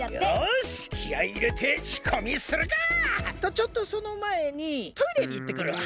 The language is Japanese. よしきあいいれてしこみするか！とちょっとそのまえにトイレにいってくるわ。